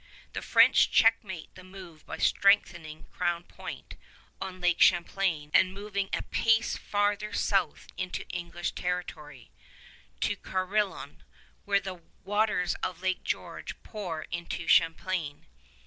The French checkmate the move by strengthening Crown Point on Lake Champlain and moving a pace farther south into English territory, to Carillon, where the waters of Lake George pour into Champlain.